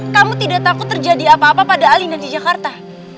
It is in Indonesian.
kamu tidak takut terjadi apa apa pada alinda di jakarta